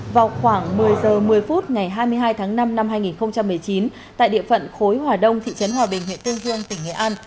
vào khoảng một mươi h một mươi phút ngày hai mươi hai tháng năm năm hai nghìn một mươi chín tại địa phận khối hòa đông thị trấn hòa bình huyện tương dương tỉnh nghệ an